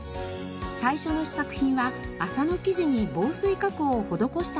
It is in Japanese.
最初の試作品は麻の生地に防水加工を施したものでした。